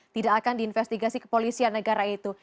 tidak akan diinvestigasi ke polisian negara itu